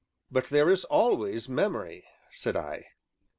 "But there is always memory," said I.